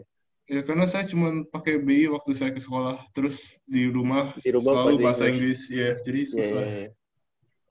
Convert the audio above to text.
ya karena saya cuma pakai bi waktu saya ke sekolah terus di rumah selalu bahasa inggris jadi susah